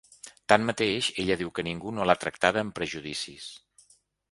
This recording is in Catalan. Tanmateix, ella diu que ningú no l’ha tractada amb prejudicis.